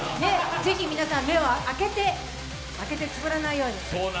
ぜひ皆さん目は開けて、つぶらないように。